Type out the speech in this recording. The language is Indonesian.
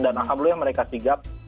dan alhamdulillah mereka sigap